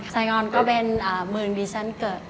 ไซ่งอนก็เป็นไหมวนดีเซ็นต์เกิด